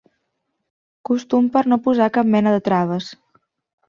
Costum per no posar cap mena de traves.